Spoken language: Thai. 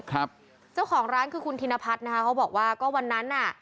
ครับเจ้าของร้านคือคุณธินพัฒน์นะคะเขาบอกว่าก็วันนั้นน่ะ